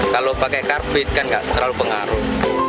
kalau pakai karbit kan nggak terlalu pengaruh